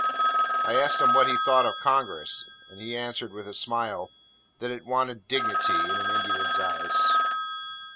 I asked him what he thought of Congress? He answered, with a smile, that it wanted dignity, in an Indian's eyes.